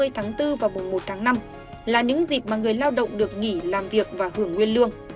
ba mươi tháng bốn và mùng một tháng năm là những dịp mà người lao động được nghỉ làm việc và hưởng nguyên lương